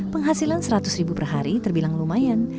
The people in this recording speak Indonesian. penghasilan seratus ribu per hari terbilang lumayan